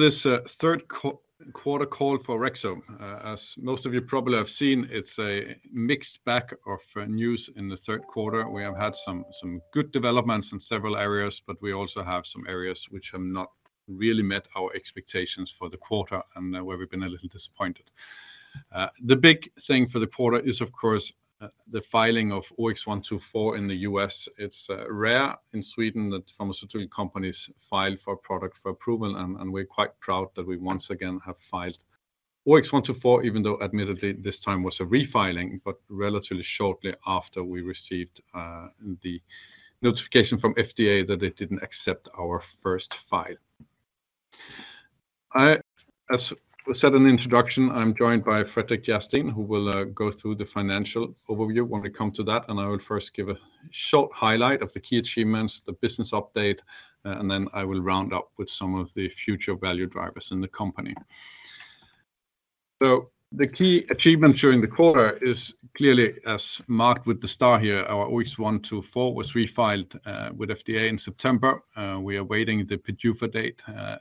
So this third quarter call for Orexo, as most of you probably have seen, it's a mixed bag of news in the third quarter. We have had some good developments in several areas, but we also have some areas which have not really met our expectations for the quarter and where we've been a little disappointed. The big thing for the quarter is, of course, the filing of OX124 in the U.S. It's rare in Sweden that pharmaceutical companies file for product for approval, and we're quite proud that we once again have filed OX124, even though admittedly, this time was a refiling, but relatively shortly after we received the notification from FDA that they didn't accept our first file. As I said in the introduction, I'm joined by Fredrik Järrsten, who will go through the financial overview when we come to that, and I would first give a short highlight of the key achievements, the business update, and then I will round up with some of the future value drivers in the company. So the key achievement during the quarter is clearly, as marked with the star here, our OX124 was refiled with FDA in September. We are awaiting the PDUFA date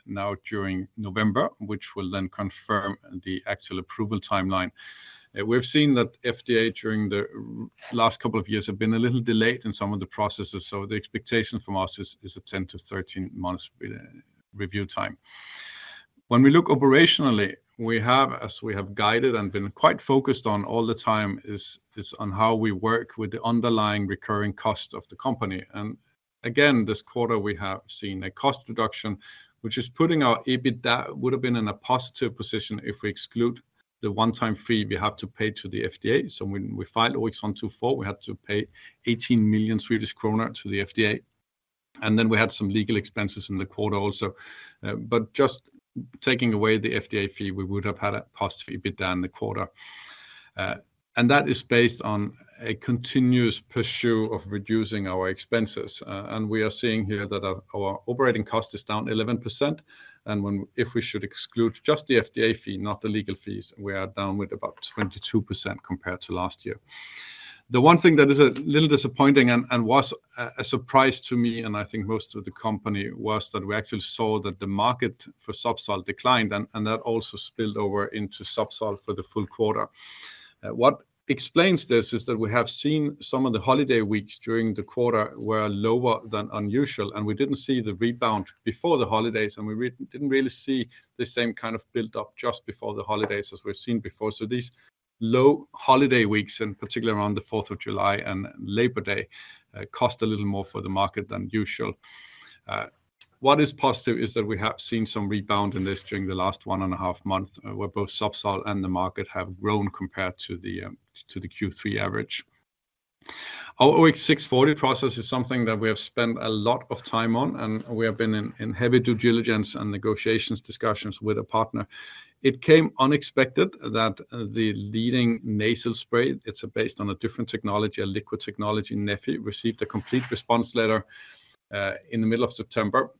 now during November, which will then confirm the actual approval timeline. We've seen that FDA, during the last couple of years, have been a little delayed in some of the processes, so the expectation from us is a 10-13 months review time. When we look operationally, we have, as we have guided and been quite focused on all the time, is on how we work with the underlying recurring cost of the company. And again, this quarter, we have seen a cost reduction, which is putting our EBITDA would have been in a positive position if we exclude the one-time fee we have to pay to the FDA. So when we filed OX124, we had to pay 18 million Swedish kronor to the FDA, and then we had some legal expenses in the quarter also. But just taking away the FDA fee, we would have had a positive EBITDA in the quarter. And that is based on a continuous pursue of reducing our expenses. We are seeing here that our operating cost is down 11%, and if we should exclude just the FDA fee, not the legal fees, we are down with about 22% compared to last year. The one thing that is a little disappointing and was a surprise to me, and I think most of the company, was that we actually saw that the market for Zubsolv declined, and that also spilled over into Zubsolv for the full quarter. What explains this is that we have seen some of the holiday weeks during the quarter were lower than usual, and we didn't see the rebound before the holidays, and we didn't really see the same kind of build-up just before the holidays as we've seen before. So these low holiday weeks, in particular around July 4th and Labor Day, cost a little more for the market than usual. What is positive is that we have seen some rebound in this during the last one and a half months, where both Zubsolv and the market have grown compared to the Q3 average. Our OX640 process is something that we have spent a lot of time on, and we have been in heavy due diligence and negotiations, discussions with a partner. It came unexpected that the leading nasal spray, it's based on a different technology, a liquid technology, neffy, received a complete response letter in the middle of September.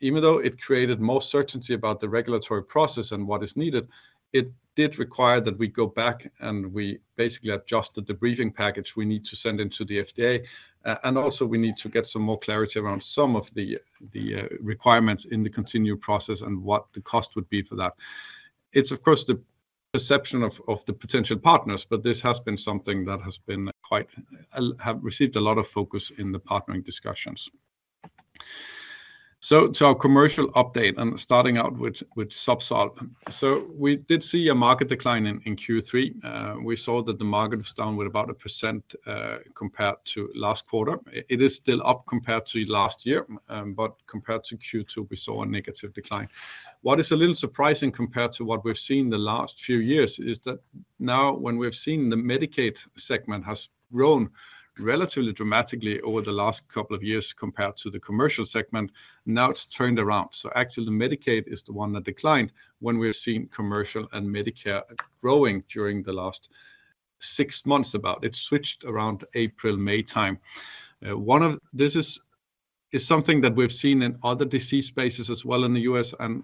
Even though it created more certainty about the regulatory process and what is needed, it did require that we go back, and we basically adjusted the briefing package we need to send into the FDA. And also, we need to get some more clarity around some of the requirements in the continued process and what the cost would be for that. It's, of course, the perception of the potential partners, but this has been something that has been quite have received a lot of focus in the partnering discussions. So, to our commercial update, and starting out with Zubsolv. So we did see a market decline in Q3. We saw that the market was down with about 1%, compared to last quarter. It, it is still up compared to last year, but compared to Q2, we saw a negative decline. What is a little surprising compared to what we've seen the last few years is that now, when we've seen the Medicaid segment has grown relatively dramatically over the last couple of years compared to the commercial segment, now it's turned around. So actually, the Medicaid is the one that declined when we're seeing commercial and Medicare growing during the last six months about. It switched around April, May time. Something that we've seen in other disease spaces as well in the U.S., and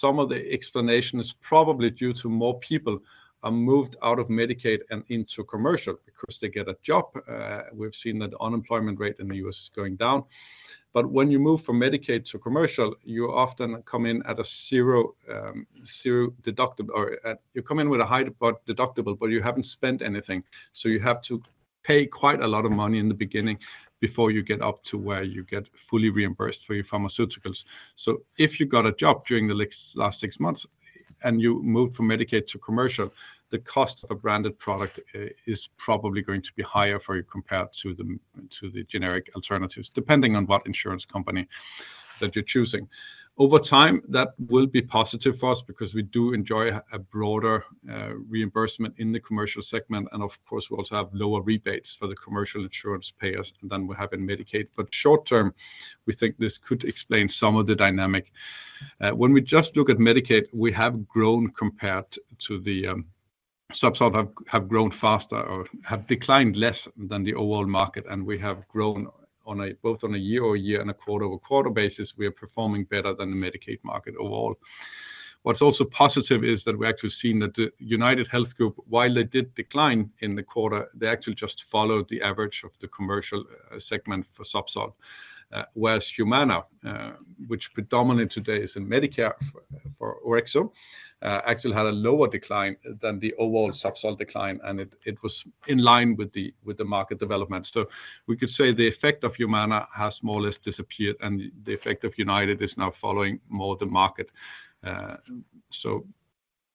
some of the explanation is probably due to more people are moved out of Medicaid and into commercial because they get a job. We've seen that unemployment rate in the U.S. is going down, but when you move from Medicaid to commercial, you often come in at a zero deductible, or you come in with a high deductible, but you haven't spent anything, so you have to pay quite a lot of money in the beginning before you get up to where you get fully reimbursed for your pharmaceuticals. So if you got a job during the last six months and you moved from Medicaid to commercial, the cost of a branded product is probably going to be higher for you compared to the generic alternatives, depending on what insurance company that you're choosing. Over time, that will be positive for us because we do enjoy a broader reimbursement in the commercial segment, and of course, we also have lower rebates for the commercial insurance payers than we have in Medicaid. But short term, we think this could explain some of the dynamic. When we just look at Medicaid, we have grown compared to the Suboxone have grown faster or have declined less than the overall market, and we have grown on a both on a year-over-year and a quarter-over-quarter basis, we are performing better than the Medicaid market overall. What's also positive is that we're actually seeing that the UnitedHealth Group, while they did decline in the quarter, they actually just followed the average of the commercial segment for Suboxone. Whereas Humana, which predominantly today is in Medicare for Orexo, actually had a lower decline than the overall Zubsolv decline, and it was in line with the market development. So we could say the effect of Humana has more or less disappeared, and the effect of United is now following more the market. So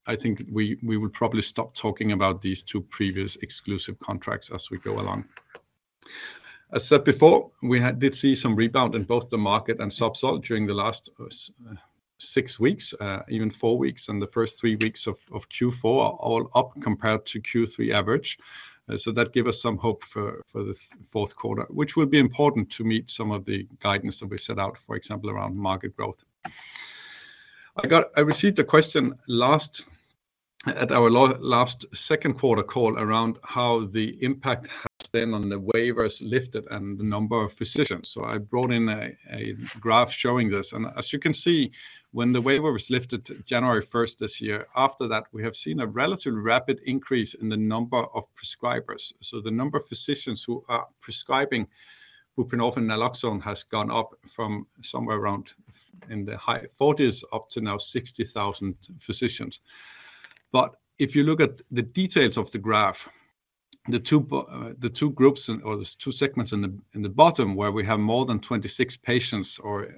I think we would probably stop talking about these two previous exclusive contracts as we go along. As said before, we did see some rebound in both the market and Zubsolv during the last six weeks, even four weeks, and the first three weeks of Q4 are all up compared to Q3 average. So that give us some hope for the fourth quarter, which will be important to meet some of the guidance that we set out, for example, around market growth. I received a question last at our last second quarter call around how the impact has been on the waivers lifted and the number of physicians. So I brought in a graph showing this. And as you can see, when the waiver was lifted January first this year, after that, we have seen a relatively rapid increase in the number of prescribers. So the number of physicians who are prescribing buprenorphine naloxone has gone up from somewhere around in the high 40s up to now 60,000 physicians. But if you look at the details of the graph, the two groups, or the two segments in the bottom, where we have more than 26 patients,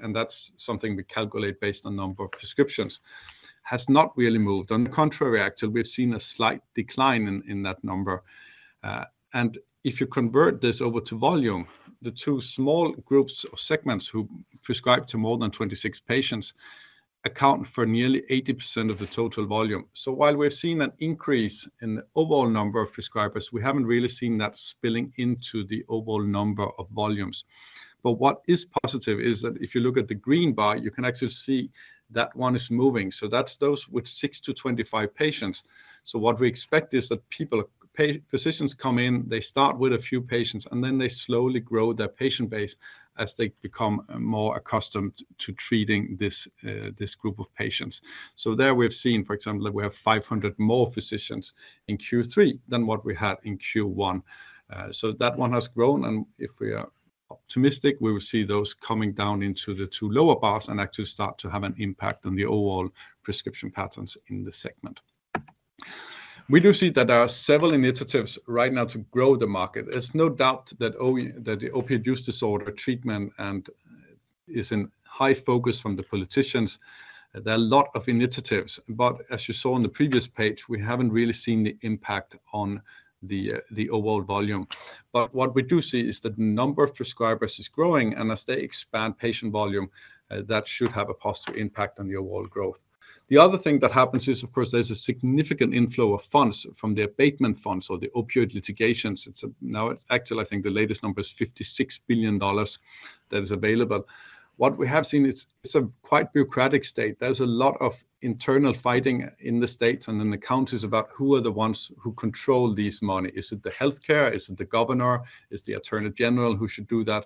and that's something we calculate based on number of prescriptions, has not really moved. On the contrary, actually, we've seen a slight decline in that number. And if you convert this over to volume, the two small groups or segments who prescribe to more than 26 patients account for nearly 80% of the total volume. So while we've seen an increase in the overall number of prescribers, we haven't really seen that spilling into the overall number of volumes. But what is positive is that if you look at the green bar, you can actually see that one is moving. So that's those with 6-25 patients. So what we expect is that people, physicians come in, they start with a few patients, and then they slowly grow their patient base as they become more accustomed to treating this, this group of patients. So there we've seen, for example, that we have 500 more physicians in Q3 than what we had in Q1. So that one has grown, and if we are optimistic, we will see those coming down into the two lower bars and actually start to have an impact on the overall prescription patterns in the segment. We do see that there are several initiatives right now to grow the market. There's no doubt that opioid use disorder treatment, and is in high focus from the politicians. There are a lot of initiatives, but as you saw on the previous page, we haven't really seen the impact on the overall volume. But what we do see is that the number of prescribers is growing, and as they expand patient volume, that should have a positive impact on the overall growth. The other thing that happens is, of course, there's a significant inflow of funds from the abatement funds or the opioid litigations. It's now, actually, I think the latest number is $56 billion that is available. What we have seen is it's a quite bureaucratic state. There's a lot of internal fighting in the states and in the counties about who are the ones who control this money. Is it the healthcare? Is it the governor? Is the attorney general who should do that?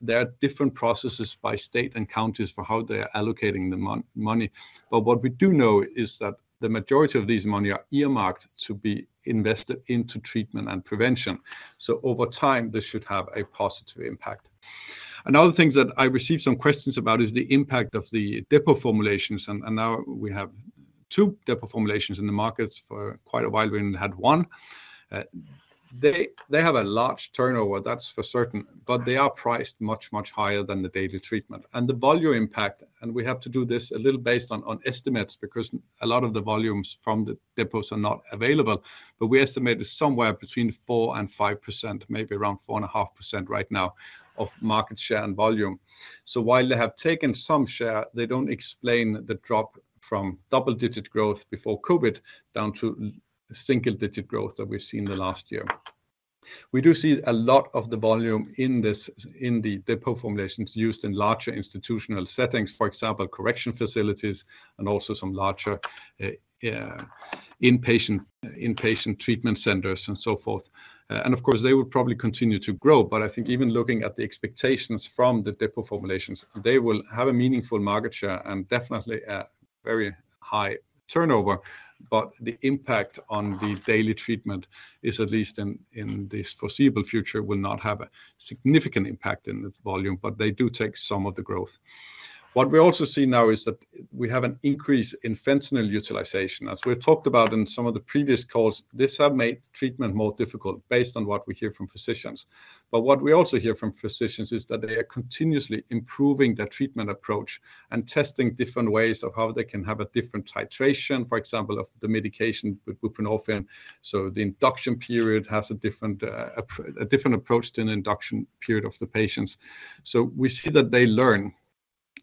There are different processes by state and counties for how they are allocating the money, but what we do know is that the majority of this money are earmarked to be invested into treatment and prevention. So over time, this should have a positive impact. Another thing that I received some questions about is the impact of the depot formulations, and now we have two depot formulations in the markets for quite a while, we only had one. They have a large turnover, that's for certain, but they are priced much, much higher than the daily treatment. The volume impact, and we have to do this a little based on estimates, because a lot of the volumes from the depots are not available, but we estimate it's somewhere between 4% and 5%, maybe around 4.5% right now, of market share and volume. So while they have taken some share, they don't explain the drop from double-digit growth before COVID, down to single-digit growth that we've seen in the last year. We do see a lot of the volume in this, in the depot formulations used in larger institutional settings, for example, correction facilities and also some larger inpatient treatment centers and so forth. And of course, they will probably continue to grow, but I think even looking at the expectations from the depot formulations, they will have a meaningful market share and definitely a very high turnover. But the impact on the daily treatment is, at least in this foreseeable future, will not have a significant impact in this volume, but they do take some of the growth. What we also see now is that we have an increase in fentanyl utilization. As we talked about in some of the previous calls, this have made treatment more difficult based on what we hear from physicians. But what we also hear from physicians is that they are continuously improving their treatment approach and testing different ways of how they can have a different titration, for example, of the medication with buprenorphine. So the induction period has a different approach than induction period of the patients. So we see that they learn,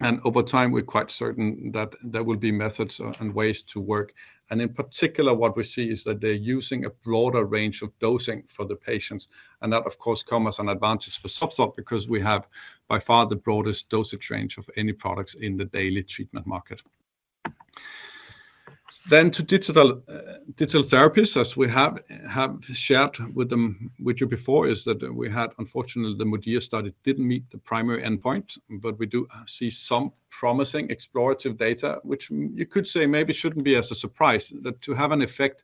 and over time, we're quite certain that there will be methods and ways to work. In particular, what we see is that they're using a broader range of dosing for the patients, and that, of course, come as an advantage for Zubsolv, because we have by far the broadest dosage range of any products in the daily treatment market. Then to digital therapies, as we have shared with you before, is that we had unfortunately, the MODIA study didn't meet the primary endpoint, but we do see some promising explorative data, which you could say maybe shouldn't be as a surprise. That to have an effect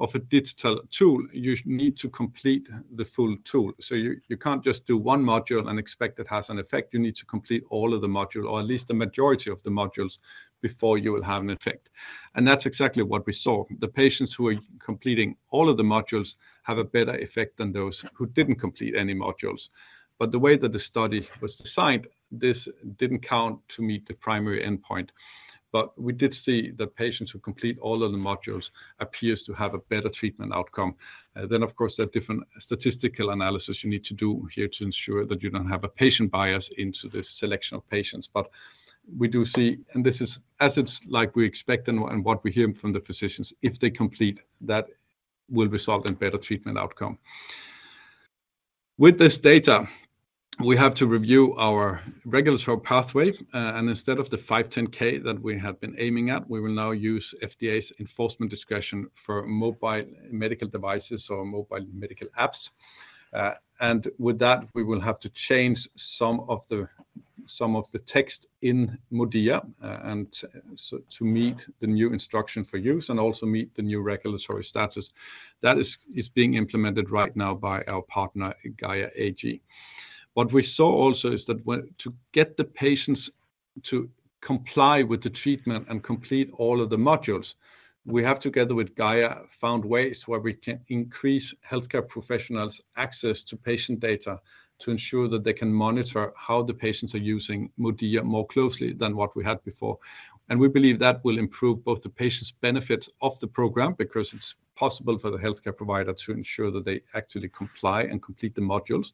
of a digital tool, you need to complete the full tool. So you can't just do one module and expect it has an effect. You need to complete all of the module, or at least the majority of the modules before you will have an effect. That's exactly what we saw. The patients who are completing all of the modules have a better effect than those who didn't complete any modules. But the way that the study was designed, this didn't count to meet the primary endpoint. But we did see the patients who complete all of the modules appears to have a better treatment outcome. Then, of course, there are different statistical analysis you need to do here to ensure that you don't have a patient bias into this selection of patients. But we do see, and this is as it's like we expect and what we hear from the physicians, if they complete, that will result in better treatment outcome. With this data, we have to review our regulatory pathway, and instead of the 510(k) that we have been aiming at, we will now use FDA's enforcement discretion for mobile medical devices or mobile medical apps. And with that, we will have to change some of the text in MODIA, and so to meet the new instruction for use and also meet the new regulatory status. That is being implemented right now by our partner, GAIA AG. What we saw also is that when to get the patients to comply with the treatment and complete all of the modules, we have, together with GAIA, found ways where we can increase healthcare professionals' access to patient data to ensure that they can monitor how the patients are using MODIA more closely than what we had before. And we believe that will improve both the patient's benefits of the program, because it's possible for the healthcare provider to ensure that they actually comply and complete the modules.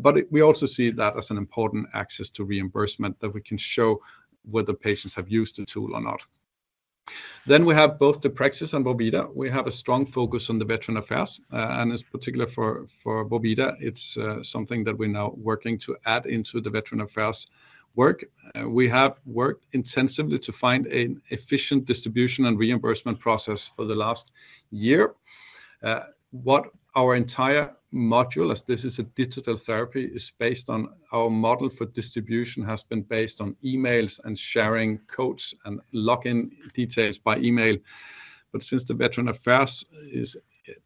But we also see that as an important access to reimbursement, that we can show whether patients have used the tool or not. Then we have both deprexis and vorvida. We have a strong focus on the Veterans Affairs, and it's particular for vorvida, it's something that we're now working to add into the Veterans Affairs work. We have worked intensively to find an efficient distribution and reimbursement process for the last year. What our entire module, as this is a digital therapy, is based on our model for distribution, has been based on emails and sharing codes and login details by email. But since the Veterans Affairs is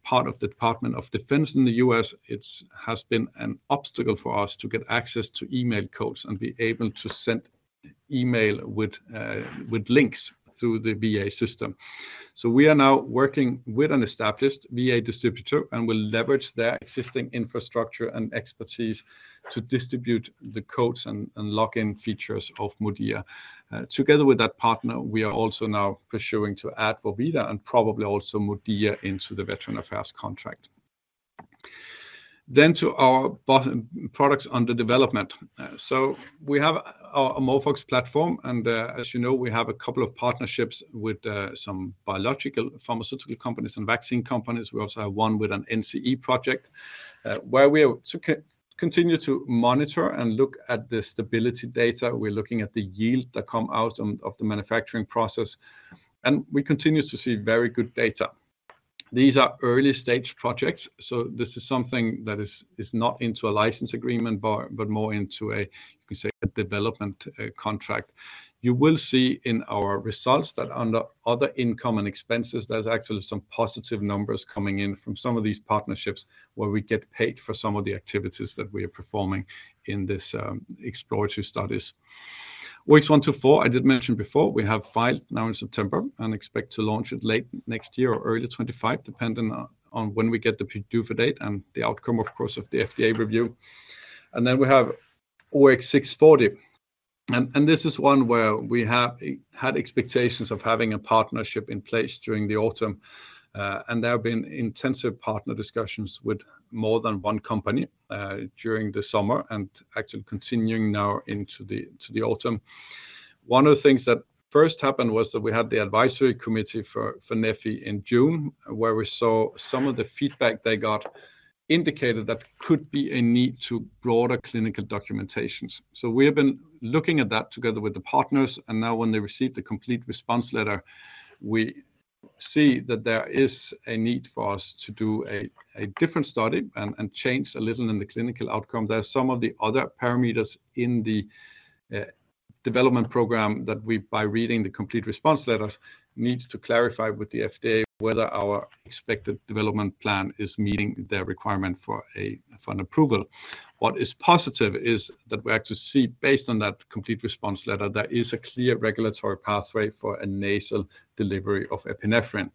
part of the Department of Defense in the U.S., it has been an obstacle for us to get access to email codes and be able to send email with links through the VA system. So we are now working with an established VA distributor and will leverage their existing infrastructure and expertise to distribute the codes and login features of MODIA. Together with that partner, we are also now pursuing to add vorvida and probably also MODIA into the Veterans Affairs contract. Then to our products under development. So we have our AmorphOX platform, and, as you know, we have a couple of partnerships with some biological pharmaceutical companies and vaccine companies. We also have one with an NCE project, where we are to continue to monitor and look at the stability data. We're looking at the yield that come out of the manufacturing process, and we continue to see very good data. These are early-stage projects, so this is something that is not into a license agreement, but more into a, you can say, a development contract. You will see in our results that under other income and expenses, there's actually some positive numbers coming in from some of these partnerships, where we get paid for some of the activities that we are performing in this exploratory studies. OX124, I did mention before, we have filed now in September and expect to launch it late next year or early 2025, depending on when we get the PDUFA date and the outcome, of course, of the FDA review. And then we have OX640, and this is one where we have had expectations of having a partnership in place during the autumn. And there have been intensive partner discussions with more than one company during the summer and actually continuing now into the autumn. One of the things that first happened was that we had the advisory committee for neffy in June, where we saw some of the feedback they got indicated there could be a need for broader clinical documentation. So we have been looking at that together with the partners, and now when they receive the complete response letter, we see that there is a need for us to do a different study and change a little in the clinical outcome. There are some of the other parameters in the development program that we, by reading the complete response letters, needs to clarify with the FDA whether our expected development plan is meeting their requirement for a, for an approval. What is positive is that we actually see, based on that complete response letter, there is a clear regulatory pathway for a nasal delivery of epinephrine.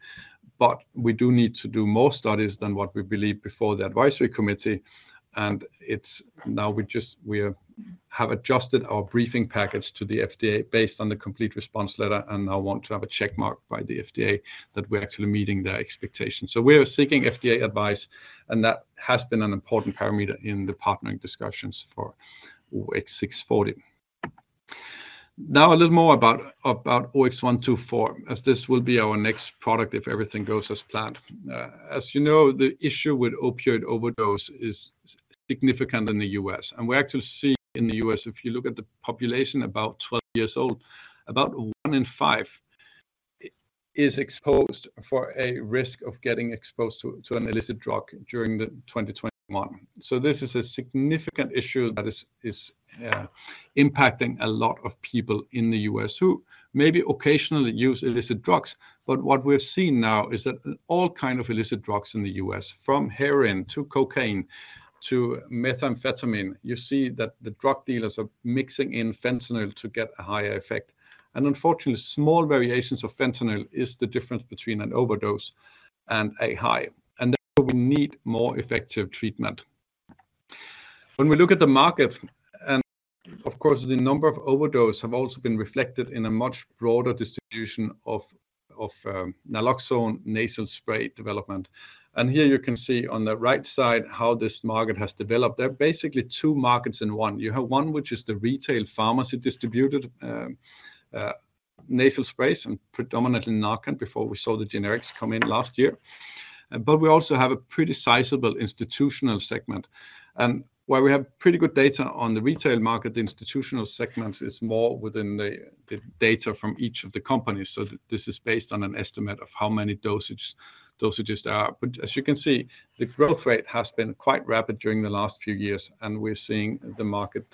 But we do need to do more studies than what we believe before the advisory committee, and it's now we just, we, have adjusted our briefing package to the FDA based on the complete response letter, and now want to have a check mark by the FDA that we're actually meeting their expectations. So we are seeking FDA advice, and that has been an important parameter in the partnering discussions for OX640. Now, a little more about OX124, as this will be our next product if everything goes as planned. As you know, the issue with opioid overdose is significant in the U.S. And we actually see in the U.S., if you look at the population, about 12 years old, about 1 in 5 is exposed for a risk of getting exposed to an illicit drug during 2021. So this is a significant issue that is impacting a lot of people in the U.S. who maybe occasionally use illicit drugs. But what we're seeing now is that all kind of illicit drugs in the U.S., from heroin to cocaine to methamphetamine, you see that the drug dealers are mixing in fentanyl to get a higher effect. Unfortunately, small variations of fentanyl is the difference between an overdose and a high, and therefore we need more effective treatment. When we look at the market, and of course, the number of overdose have also been reflected in a much broader distribution of naloxone nasal spray development. Here you can see on the right side how this market has developed. There are basically two markets in one. You have one, which is the retail pharmacy distributed nasal sprays and predominantly Narcan before we saw the generics come in last year. But we also have a pretty sizable institutional segment. And while we have pretty good data on the retail market, the institutional segment is more within the data from each of the companies. So this is based on an estimate of how many dosage, dosages there are. But as you can see, the growth rate has been quite rapid during the last few years, and we're seeing the market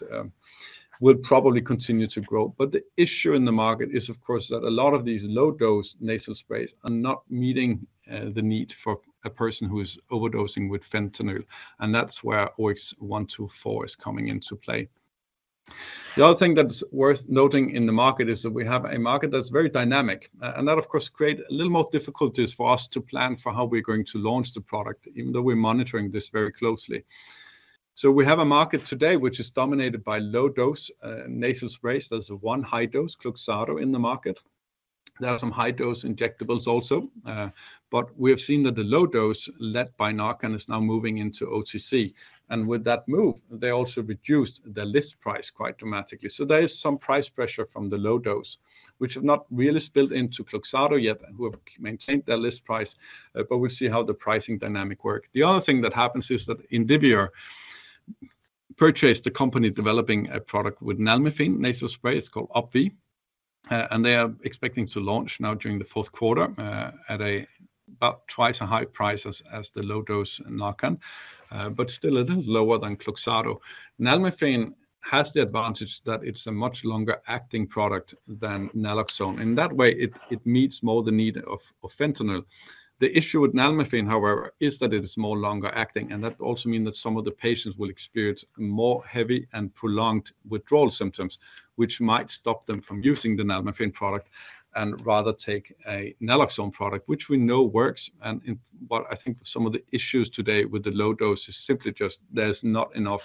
will probably continue to grow. But the issue in the market is, of course, that a lot of these low-dose nasal sprays are not meeting the need for a person who is overdosing with fentanyl, and that's where OX124 is coming into play. The other thing that's worth noting in the market is that we have a market that's very dynamic, and that, of course, create a little more difficulties for us to plan for how we're going to launch the product, even though we're monitoring this very closely. So we have a market today, which is dominated by low-dose nasal sprays. There's one high dose, Kloxxado, in the market. There are some high-dose injectables also, but we have seen that the low dose, led by Narcan, is now moving into OTC. And with that move, they also reduced the list price quite dramatically. So there is some price pressure from the low dose, which have not really spilled into Kloxxado yet, and who have maintained their list price, but we'll see how the pricing dynamic work. The other thing that happens is that Indivior purchased a company developing a product with nalmefene nasal spray. It's called Opvee, and they are expecting to launch now during the fourth quarter, at about twice as high a price as the low-dose Narcan, but still a little lower than Kloxxado. Nalmefene has the advantage that it's a much longer acting product than naloxone. In that way, it meets more the need of fentanyl. The issue with nalmefene, however, is that it is more longer acting, and that also mean that some of the patients will experience more heavy and prolonged withdrawal symptoms, which might stop them from using the nalmefene product and rather take a naloxone product, which we know works. But I think some of the issues today with the low dose is simply just there's not enough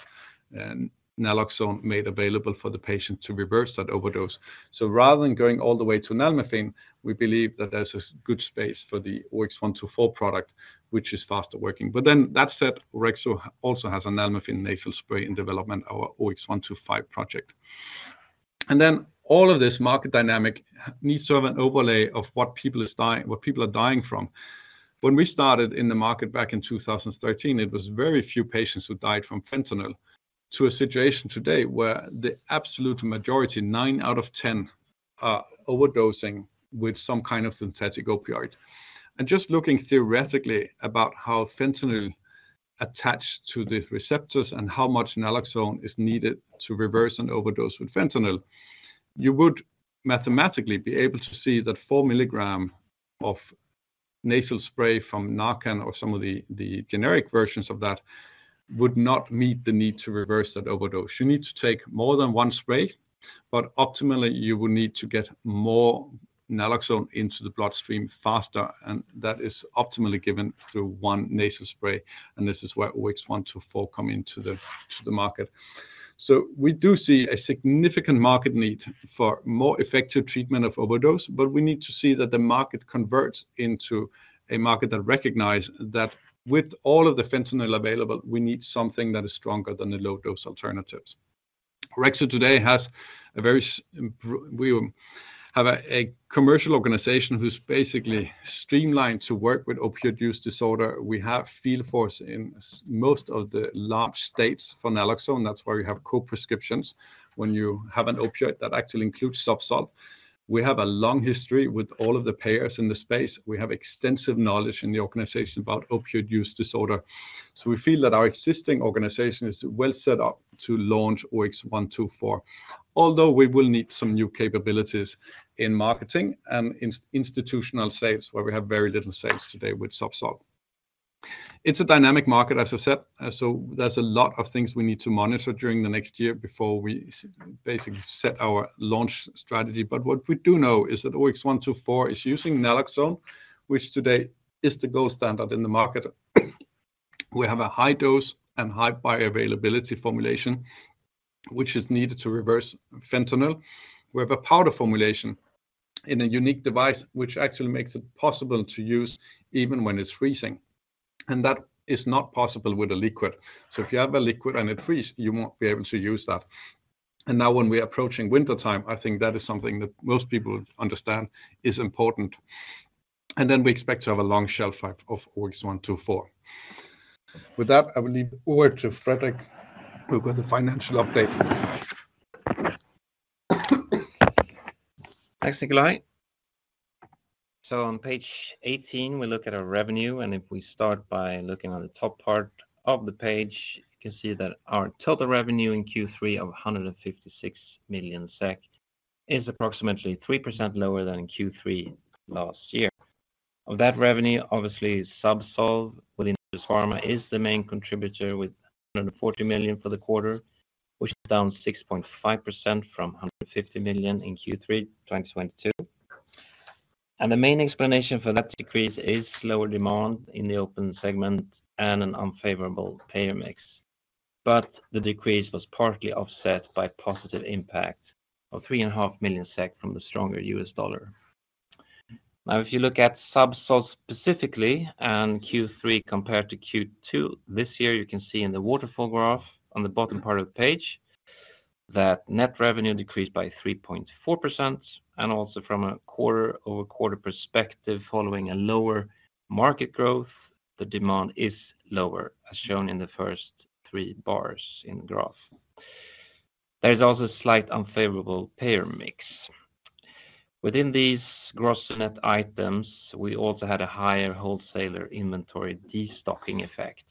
naloxone made available for the patient to reverse that overdose. So rather than going all the way to nalmefene, we believe that there's a good space for the OX124 product, which is faster working. But then that said, Orexo also has a nalmefene nasal spray in development, our OX125 project. And then all of this market dynamic needs to have an overlay of what people is dying, what people are dying from. When we started in the market back in 2013, it was very few patients who died from fentanyl, to a situation today where the absolute majority, nine out of 10, are overdosing with some kind of synthetic opioid. And just looking theoretically about how fentanyl attach to the receptors and how much naloxone is needed to reverse an overdose with fentanyl, you would mathematically be able to see that 4 milligrams of nasal spray from Narcan or some of the generic versions of that would not meet the need to reverse that overdose. You need to take more than one spray, but optimally, you would need to get more naloxone into the bloodstream faster, and that is optimally given through one nasal spray, and this is where OX124 come into the market. So we do see a significant market need for more effective treatment of overdose, but we need to see that the market converts into a market that recognize that with all of the fentanyl available, we need something that is stronger than the low-dose alternatives. Orexo today has a commercial organization who's basically streamlined to work with opioid use disorder. We have field force in most of the large states for naloxone. That's why we have co-prescriptions when you have an opioid that actually includes Zubsolv. We have a long history with all of the payers in the space. We have extensive knowledge in the organization about opioid use disorder. So we feel that our existing organization is well set up to launch OX124, although we will need some new capabilities in marketing and in institutional sales, where we have very little sales today with Zubsolv. It's a dynamic market, as I said, so there's a lot of things we need to monitor during the next year before we basically set our launch strategy. But what we do know is that OX124 is using naloxone, which today is the gold standard in the market. We have a high dose and high bioavailability formulation, which is needed to reverse fentanyl. We have a powder formulation in a unique device, which actually makes it possible to use even when it's freezing, and that is not possible with a liquid. So if you have a liquid and it freeze, you won't be able to use that. Now, when we are approaching wintertime, I think that is something that most people understand is important. And then we expect to have a long shelf life of OX124. With that, I will leave over to Fredrik, who got the financial update. Thanks, Nikolaj. So on page 18, we look at our revenue, and if we start by looking on the top part of the page, you can see that our total revenue in Q3 of 156 million SEK is approximately 3% lower than Q3 last year. Of that revenue, obviously, Zubsolv within this pharma is the main contributor, with 140 million for the quarter, which is down 6.5% from 150 million in Q3 2022. And the main explanation for that decrease is lower demand in the open segment and an unfavorable payer mix. But the decrease was partly offset by positive impact of 3.5 million SEK from the stronger US dollar. Now, if you look at Zubsolv specifically and Q3 compared to Q2, this year, you can see in the waterfall graph on the bottom part of the page, that net revenue decreased by 3.4%, and also from a quarter-over-quarter perspective, following a lower market growth, the demand is lower, as shown in the first 3 bars in the graph. There is also a slight unfavorable payer mix. Within these gross net items, we also had a higher wholesaler inventory destocking effect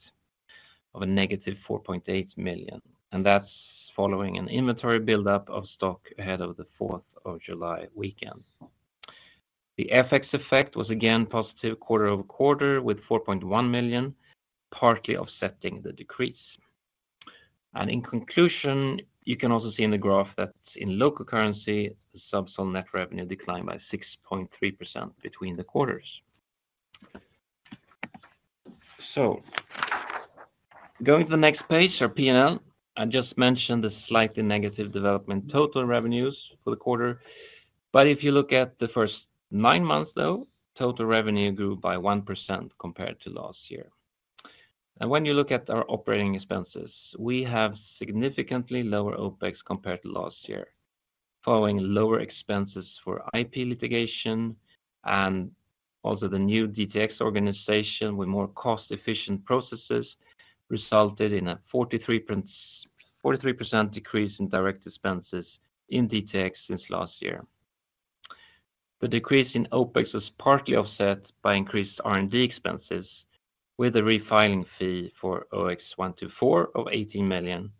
of -4.8 million, and that's following an inventory buildup of stock ahead of July 4th weekend. The FX effect was again positive quarter-over-quarter, with 4.1 million, partly offsetting the decrease. In conclusion, you can also see in the graph that in local currency, the Zubsolv net revenue declined by 6.3% between the quarters. So going to the next page, our P&L, I just mentioned the slightly negative development total revenues for the quarter. But if you look at the first nine months, though, total revenue grew by 1% compared to last year. And when you look at our operating expenses, we have significantly lower OpEx compared to last year, following lower expenses for IP litigation and also the new DTX organization, with more cost-efficient processes, resulted in a 43% decrease in direct expenses in DTX since last year. The decrease in OpEx was partly offset by increased R&D expenses, with a refiling fee for OX124 of 18 million,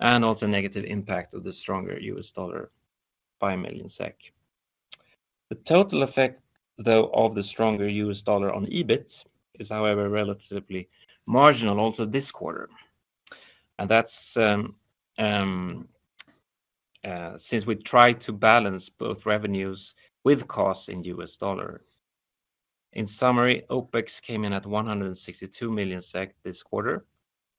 and also negative impact of the stronger US dollar by 1 million SEK. The total effect, though, of the stronger US dollar on EBIT is, however, relatively marginal also this quarter. And that's since we tried to balance both revenues with costs in US dollars. In summary, OpEx came in at 162 million SEK this quarter,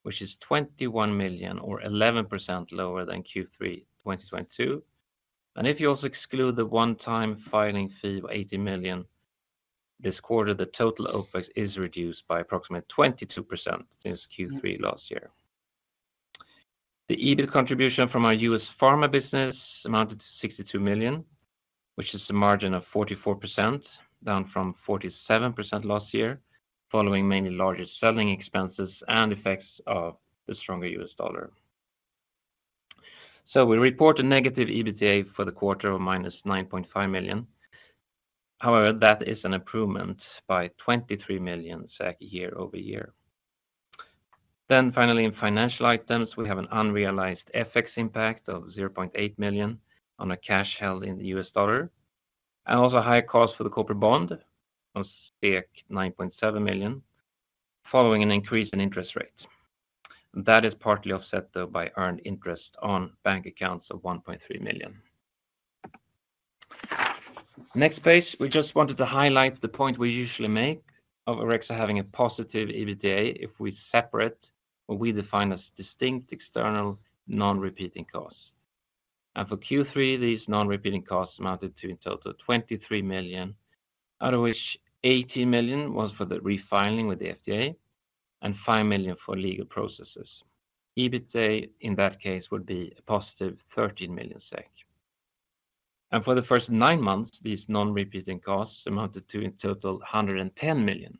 which is 21 million or 11% lower than Q3 2022. And if you also exclude the one-time filing fee of 80 million this quarter, the total OpEx is reduced by approximately 22% since Q3 last year. The EBIT contribution from our US pharma business amounted to 62 million, which is a margin of 44%, down from 47% last year, following mainly larger selling expenses and effects of the stronger US dollar. So we report a negative EBITDA for the quarter of -9.5 million. However, that is an improvement by 23 million year-over-year. Then finally, in financial items, we have an unrealized FX impact of 0.8 million on a cash held in the US dollar, and also a higher cost for the corporate bond of 9.7 million, following an increase in interest rate. That is partly offset, though, by earned interest on bank accounts of 1.3 million. Next page, we just wanted to highlight the point we usually make of Orexo having a positive EBITDA if we separate what we define as distinct, external, non-repeating costs. For Q3, these non-repeating costs amounted to in total 23 million, out of which 18 million was for the refiling with the FDA and 5 million for legal processes. EBITDA, in that case, would be a +13 million SEK. For the first nine months, these non-repeating costs amounted to, in total, 110 million.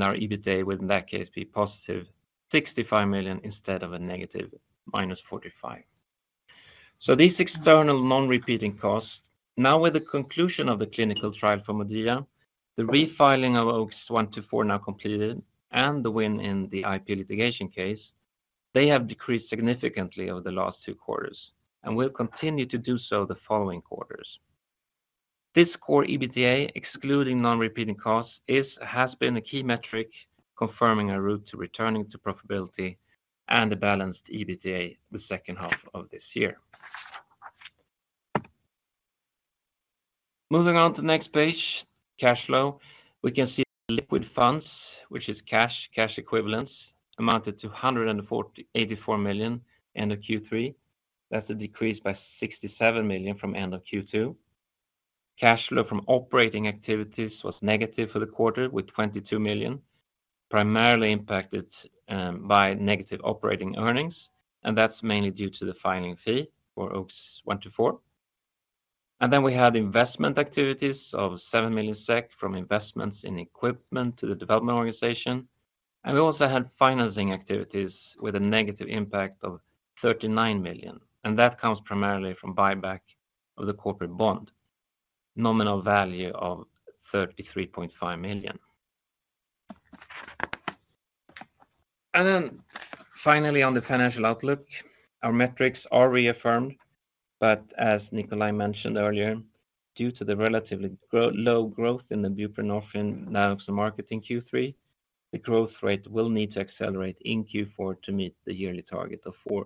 Our EBITDA would in that case be +65 million instead of a negative -45 million. These external non-repeating costs, now with the conclusion of the clinical trial for MODIA, the refiling of OX124 now completed, and the win in the IP litigation case, they have decreased significantly over the last two quarters and will continue to do so the following quarters. This core EBITDA, excluding non-repeating costs, is, has been a key metric confirming a route to returning to profitability and a balanced EBITDA the second half of this year. Moving on to the next page, cash flow. We can see liquid funds, which is cash, cash equivalents, amounted to 148 million end of Q3. That's a decrease by 67 million from end of Q2. Cash flow from operating activities was negative for the quarter, with 22 million primarily impacted by negative operating earnings, and that's mainly due to the filing fee for OX124. And then we had investment activities of 7 million SEK from investments in equipment to the development organization, and we also had financing activities with a negative impact of 39 million, and that comes primarily from buyback of the corporate bond, nominal value of SEK 33.5 million. And then finally, on the financial outlook, our metrics are reaffirmed, but as Nikolaj mentioned earlier, due to the relatively low growth in the buprenorphine naloxone market in Q3, the growth rate will need to accelerate in Q4 to meet the yearly target of 4%-7%.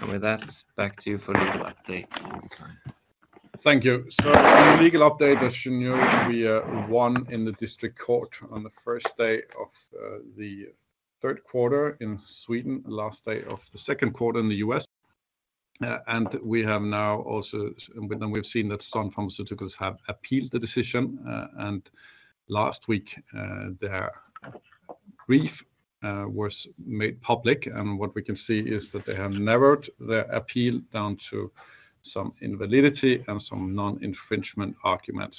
And with that, back to you for legal update, Nikolaj. Thank you. So the legal update, as you know, we won in the district court on the first day of the third quarter in Sweden, last day of the second quarter in the U.S. And we have now also... And then we've seen that Sun Pharmaceuticals have appealed the decision, and last week their brief was made public. And what we can see is that they have narrowed their appeal down to some invalidity and some non-infringement arguments.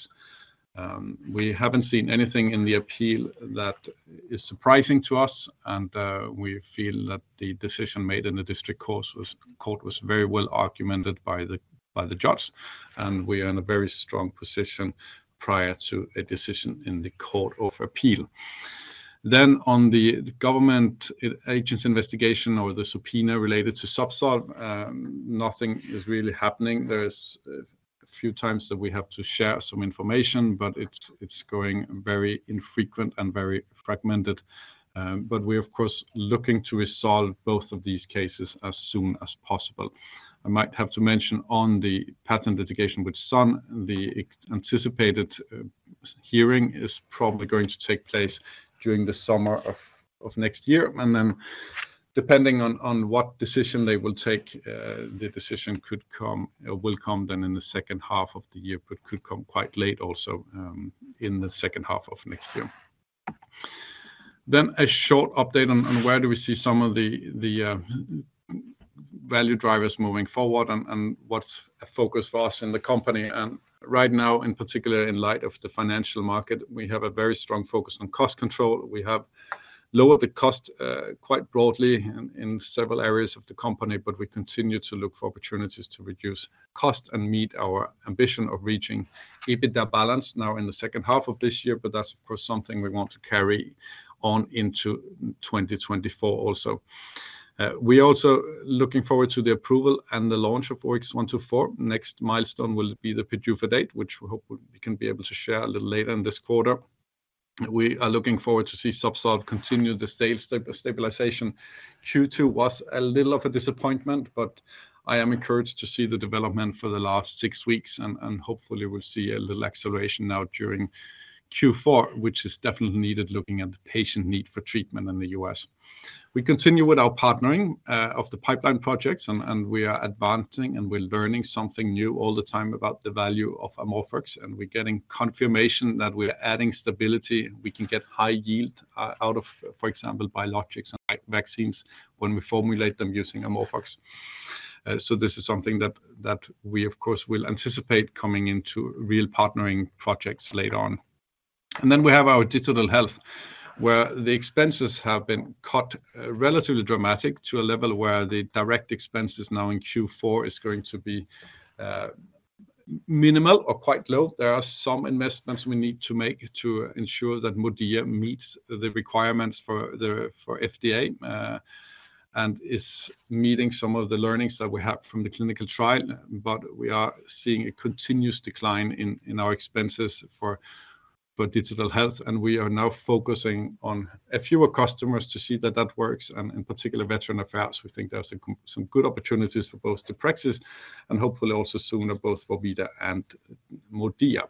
We haven't seen anything in the appeal that is surprising to us, and we feel that the decision made in the district court was very well argued by the judge, and we are in a very strong position prior to a decision in the Court of Appeal. Then on the government agencies investigation or the subpoena related to Zubsolv, nothing is really happening. There's a few times that we have to share some information, but it's, it's going very infrequent and very fragmented. But we're, of course, looking to resolve both of these cases as soon as possible. I might have to mention on the patent litigation with Sun, the anticipated hearing is probably going to take place during the summer of next year, and then depending on what decision they will take, the decision could come, will come then in the second half of the year, but could come quite late also in the second half of next year. Then a short update on where do we see some of the value drivers moving forward and what's a focus for us in the company. Right now, in particular, in light of the financial market, we have a very strong focus on cost control. We have lowered the cost quite broadly in several areas of the company, but we continue to look for opportunities to reduce cost and meet our ambition of reaching EBITDA balance now in the second half of this year, but that's, of course, something we want to carry on into 2024 also. We also looking forward to the approval and the launch of OX124. Next milestone will be the PDUFA date, which we hope we can be able to share a little later in this quarter. We are looking forward to see Zubsolv continue the the stabilization. Q2 was a little of a disappointment, but I am encouraged to see the development for the last six weeks, and hopefully we'll see a little acceleration now during Q4, which is definitely needed, looking at the patient need for treatment in the U.S. We continue with our partnering of the pipeline projects, and we are advancing, and we're learning something new all the time about the value of AmorphOX, and we're getting confirmation that we're adding stability. We can get high yield out of, for example, biologics and vaccines when we formulate them using AmorphOX. So this is something that we, of course, will anticipate coming into real partnering projects later on. And then we have our digital health, where the expenses have been cut relatively dramatic to a level where the direct expenses now in Q4 is going to be minimal or quite low. There are some investments we need to make to ensure that MODIA meets the requirements for the FDA and is meeting some of the learnings that we have from the clinical trial. But we are seeing a continuous decline in our expenses for digital health, and we are now focusing on a fewer customers to see that that works, and in particular, Veteran Affairs. We think there's some good opportunities for both deprexis and hopefully also sooner, both vorvida and MODIA.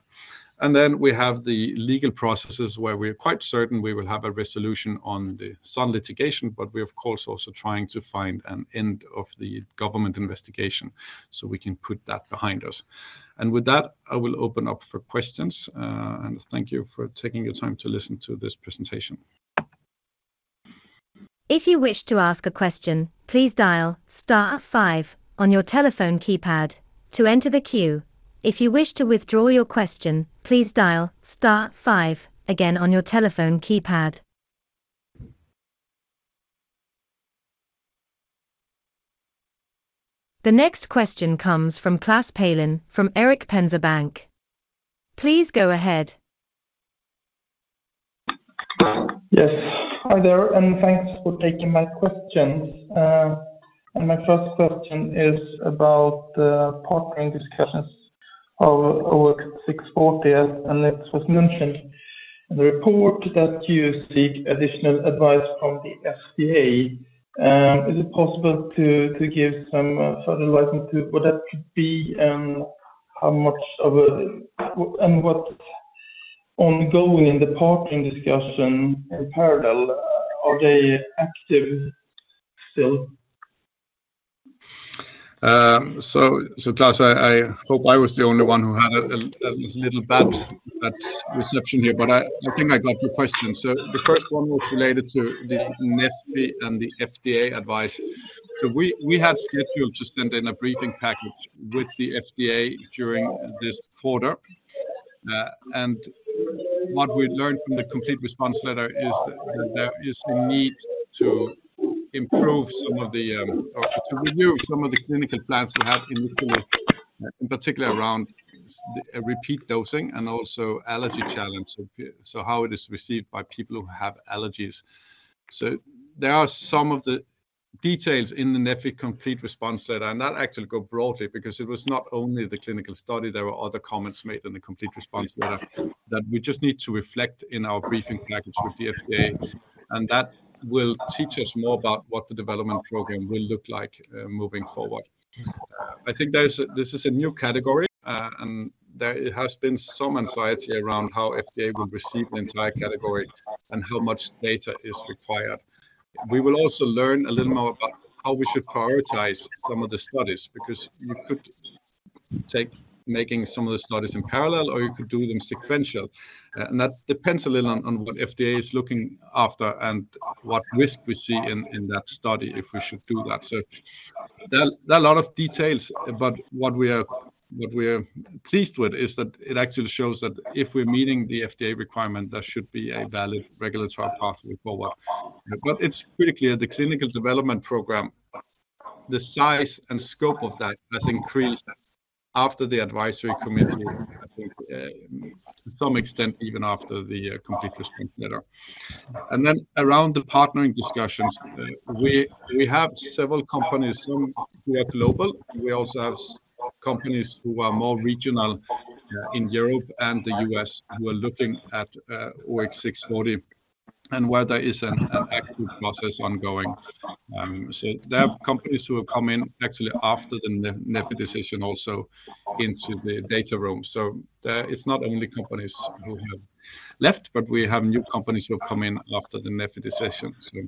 Then we have the legal processes, where we're quite certain we will have a resolution on the Sun litigation, but we, of course, also trying to find an end of the government investigation, so we can put that behind us. With that, I will open up for questions. And thank you for taking the time to listen to this presentation. If you wish to ask a question, please dial star five on your telephone keypad to enter the queue. If you wish to withdraw your question, please dial star five again on your telephone keypad. The next question comes from Klas Palin from Erik Penser Bank. Please go ahead. Yes, hi there, and thanks for taking my questions. And my first question is about the partnering discussions of OX640, as, and that was mentioned in the report, that you seek additional advice from the FDA. Is it possible to give some further likeness to what that could be and how much of a and what ongoing in the partnering discussion in parallel, are they active still? So Klas, I hope I was the only one who had a little bad reception here, but I think I got your question. So the first one was related to the neffy and the FDA advice. So we have scheduled to send in a briefing package with the FDA during this quarter. And what we've learned from the complete response letter is that there is a need to improve some of the, or to review some of the clinical plans we have in particular, around repeat dosing and also allergy challenge. So how it is received by people who have allergies. So there are some of the details in the neffy Complete Response Letter, and that actually go broadly, because it was not only the clinical study, there were other comments made in the Complete Response Letter that we just need to reflect in our briefing package with the FDA, and that will teach us more about what the development program will look like, moving forward. I think there is a, this is a new category, and there has been some anxiety around how FDA will receive the entire category and how much data is required. We will also learn a little more about how we should prioritize some of the studies, because you could take making some of the studies in parallel, or you could do them sequential. And that depends a little on what FDA is looking after and what risk we see in that study, if we should do that. So there are a lot of details, but what we are pleased with is that it actually shows that if we're meeting the FDA requirement, there should be a valid regulatory pathway forward. But it's critically, the clinical development program, the size and scope of that has increased after the advisory committee, I think, to some extent, even after the Complete Response Letter. And then around the partnering discussions, we have several companies, some who are global. We also have companies who are more regional in Europe and the U.S., who are looking at OX640 and where there is an active process ongoing. So there are companies who have come in actually after the neffy decision also into the data room. So there, it's not only companies who have left, but we have new companies who have come in after the neffy decision. So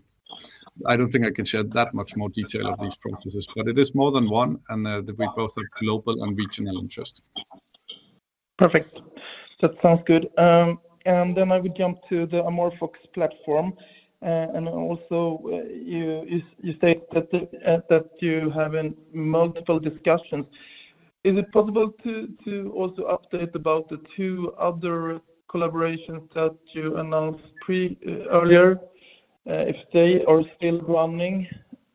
I don't think I can share that much more detail of these processes, but it is more than one, and they both are global and regional interest. Perfect. That sounds good. And then I would jump to the AmorphOX platform. And also, you state that you are having multiple discussions. Is it possible to also update about the two other collaborations that you announced earlier, if they are still running,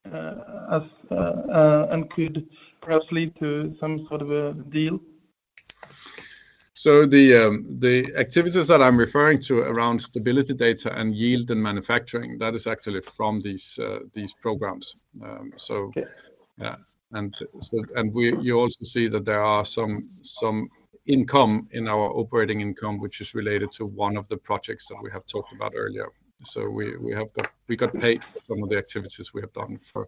and could perhaps lead to some sort of a deal? So the activities that I'm referring to around stability data and yield and manufacturing, that is actually from these programs. So, and so, you also see that there are some income in our operating income, which is related to one of the projects that we have talked about earlier. So we have got... We got paid for some of the activities we have done for,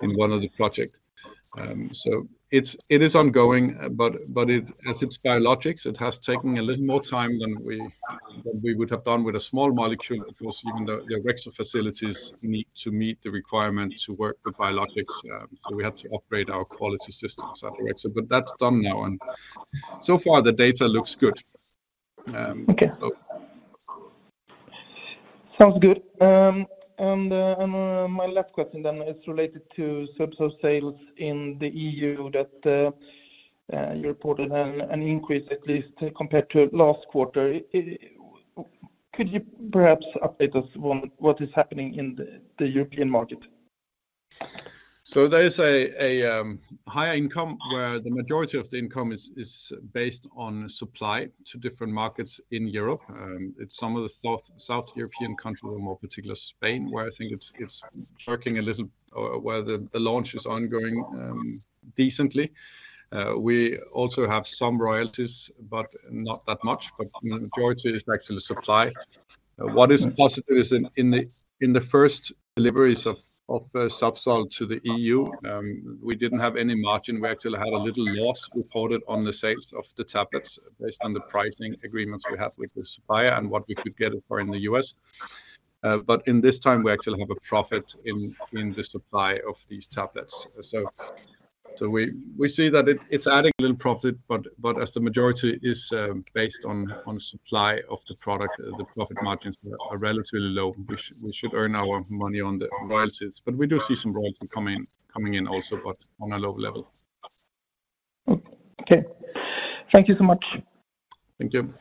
in one of the projects. So it's ongoing, but it, as it's biologics, it has taken a little more time than we would have done with a small molecule. Of course, even the Orexo facilities need to meet the requirements to work with biologics, so we had to upgrade our quality systems at Orexo. But that's done now, and so far, the data looks good. Okay. Sounds good. And my last question then is related to Zubsolv sales in the EU, that you reported an increase, at least compared to last quarter. Could you perhaps update us on what is happening in the European market? So there is a higher income, where the majority of the income is based on supply to different markets in Europe. It's some of the South European country, more particularly Spain, where I think it's working a little, where the launch is ongoing decently. We also have some royalties, but not that much, but the majority is actually supply. What is positive is in the first deliveries of Zubsolv to the EU, we didn't have any margin. We actually had a little loss reported on the sales of the tablets, based on the pricing agreements we have with the supplier and what we could get it for in the U.S. But in this time, we actually have a profit in the supply of these tablets. So we see that it's adding a little profit, but as the majority is based on supply of the product, the profit margins are relatively low. We should earn our money on the royalties, but we do see some royalties coming in also, but on a low level. Okay. Thank you so much. Thank you.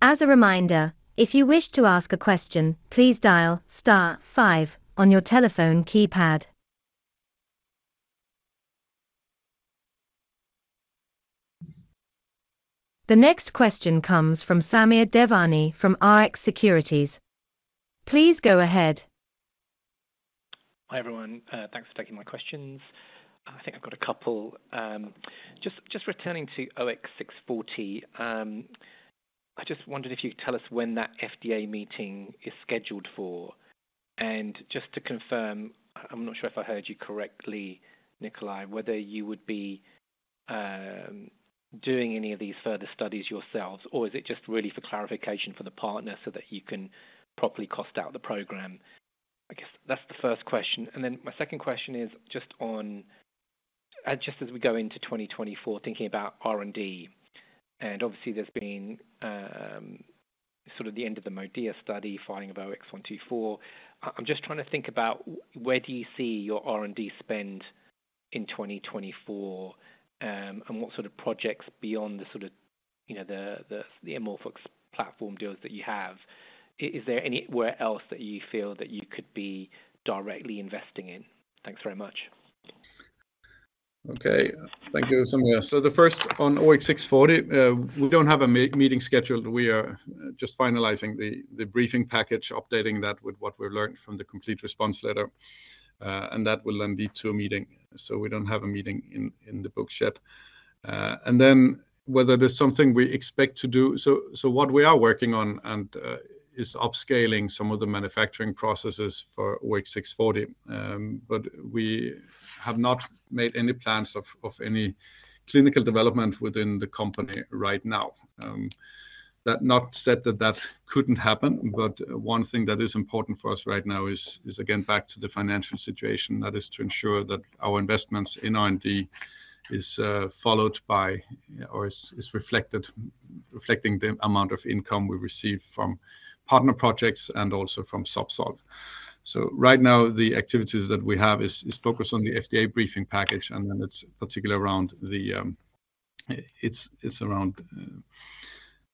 As a reminder, if you wish to ask a question, please dial star five on your telephone keypad. The next question comes from Samir Devani from Rx Securities. Please go ahead. Hi, everyone, thanks for taking my questions. I think I've got a couple. Just returning to OX640, I just wondered if you could tell us when that FDA meeting is scheduled for? And just to confirm, I'm not sure if I heard you correctly, Nikolaj, whether you would be doing any of these further studies yourselves, or is it just really for clarification for the partner so that you can properly cost out the program? I guess that's the first question. And then my second question is just on, just as we go into 2024, thinking about R&D, and obviously there's been sort of the end of the MODIA study, filing of OX124. I'm just trying to think about where do you see your R&D spend in 2024? And what sort of projects beyond the sort of, you know, the AmorphOX platform deals that you have? Is there anywhere else that you feel that you could be directly investing in? Thanks very much. Okay. Thank you, Samir. So the first, on OX640, we don't have a meeting scheduled. We are just finalizing the briefing package, updating that with what we've learned from the Complete Response Letter. And that will then lead to a meeting. So we don't have a meeting in the books yet. And then whether there's something we expect to do. So what we are working on is upscaling some of the manufacturing processes for OX640. But we have not made any plans of any clinical development within the company right now. That said, that couldn't happen, but one thing that is important for us right now is again back to the financial situation. That is to ensure that our investments in R&D is followed by or is reflected, reflecting the amount of income we receive from partner projects and also from Zubsolv. So right now, the activities that we have is focused on the FDA briefing package, and then it's particularly around the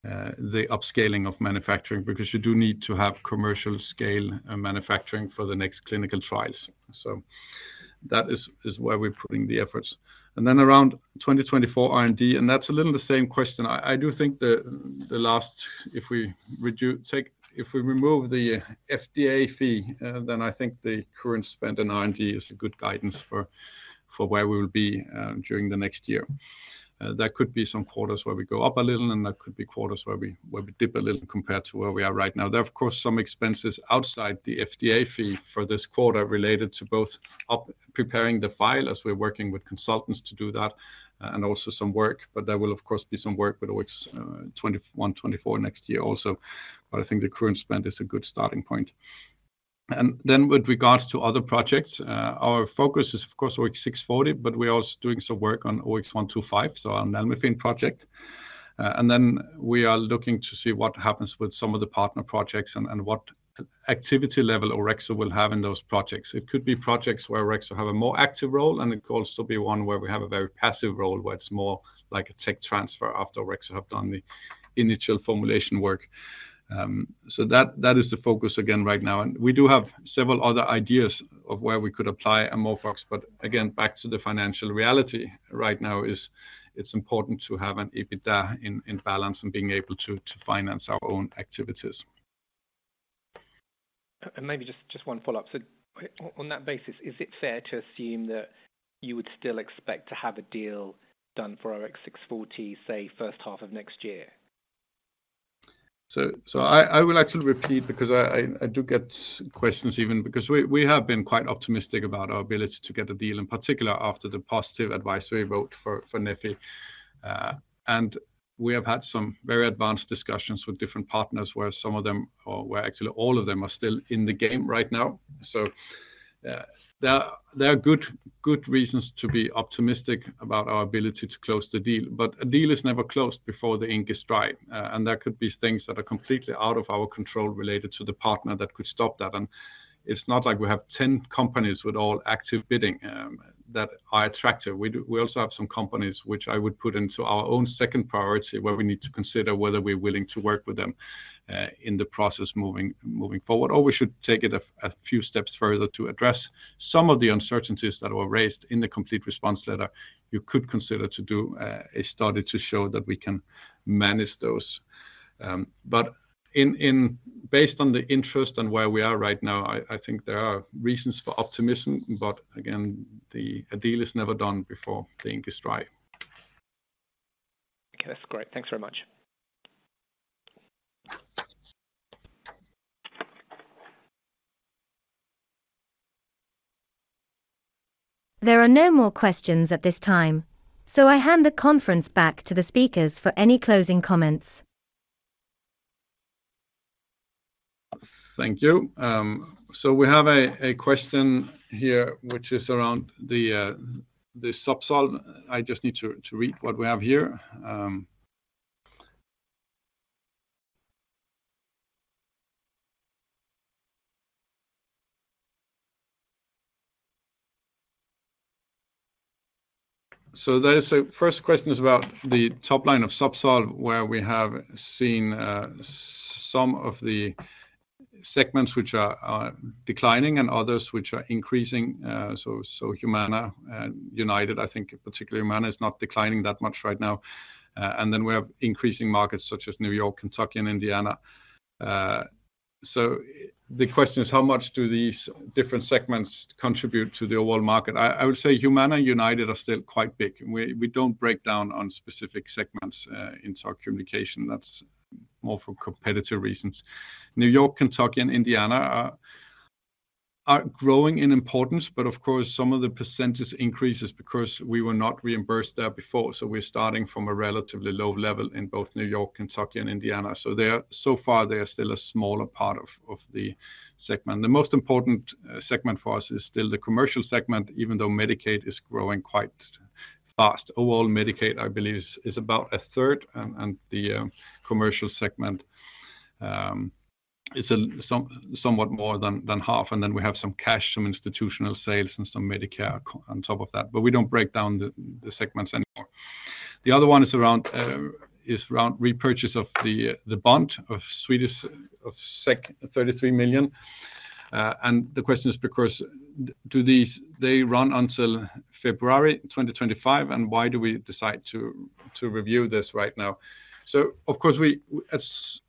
upscaling of manufacturing, because you do need to have commercial scale and manufacturing for the next clinical trials. So that is where we're putting the efforts. And then around 2024 R&D, and that's a little the same question. I do think the last, if we remove the FDA fee, then I think the current spend in R&D is a good guidance for where we will be during the next year. There could be some quarters where we go up a little, and there could be quarters where we dip a little compared to where we are right now. There are, of course, some expenses outside the FDA fee for this quarter, related to both preparing the file as we're working with consultants to do that, and also some work. But there will, of course, be some work with OX124 next year also. But I think the current spend is a good starting point. And then with regards to other projects, our focus is, of course, OX640, but we're also doing some work on OX125, so our nalmefene project. And then we are looking to see what happens with some of the partner projects and what activity level Orexo will have in those projects. It could be projects where Orexo have a more active role, and it could also be one where we have a very passive role, where it's more like a tech transfer after Orexo have done the initial formulation work. So that is the focus again right now. We do have several other ideas of where we could apply AmorphOX, but again, back to the financial reality right now is it's important to have an EBITDA in balance and being able to finance our own activities. Maybe just, just one follow-up. So on that basis, is it fair to assume that you would still expect to have a deal done for OX640, say, first half of next year? So I will actually repeat, because I do get questions even, because we have been quite optimistic about our ability to get a deal, in particular after the positive advisory vote for neffy. And we have had some very advanced discussions with different partners, where actually all of them are still in the game right now. So there are good reasons to be optimistic about our ability to close the deal. But a deal is never closed before the ink is dry, and there could be things that are completely out of our control related to the partner that could stop that. And it's not like we have ten companies with all active bidding that are attractive. We also have some companies which I would put into our own second priority, where we need to consider whether we're willing to work with them in the process moving forward. Or we should take it a few steps further to address some of the uncertainties that were raised in the Complete Response Letter. You could consider to do a study to show that we can manage those. But based on the interest and where we are right now, I think there are reasons for optimism, but again, a deal is never done before the ink is dry. Okay, that's great. Thanks very much. There are no more questions at this time, so I hand the conference back to the speakers for any closing comments. Thank you. So we have a question here, which is around the Zubsolv. I just need to read what we have here. So there is a first question is about the top line of Zubsolv, where we have seen some of the segments which are declining and others which are increasing. So Humana and United, I think particularly Humana, is not declining that much right now. And then we have increasing markets such as New York, Kentucky, and Indiana. So the question is, how much do these different segments contribute to the overall market? I would say Humana and United are still quite big. We don't break down on specific segments in our communication. That's more for competitive reasons. New York, Kentucky, and Indiana are growing in importance, but of course, some of the percentage increases because we were not reimbursed there before. So we're starting from a relatively low level in both New York, Kentucky, and Indiana. So they are, so far, they are still a smaller part of the segment. The most important segment for us is still the commercial segment, even though Medicaid is growing quite fast. Overall, Medicaid, I believe, is about a third, and the commercial segment is somewhat more than half, and then we have some cash, some institutional sales, and some Medicare on top of that. But we don't break down the segments anymore. The other one is around repurchase of the bond in 33 million. And the question is because do these they run until February 2025, and why do we decide to review this right now? So of course, we at